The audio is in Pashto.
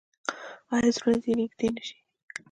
آیا زړونه دې نږدې نشي؟